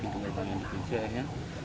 pintunya pintunya pintunya dipincahnya